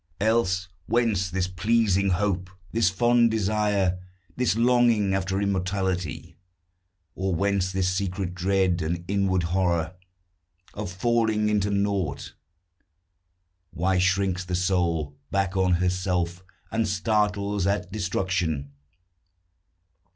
Else whence this pleasing hope, this fond desire. This longing after immortality? Or whence this secret dread, and inward horror, Of falling into naught? Why shrinks the soul Back on herself, and startles at destruction?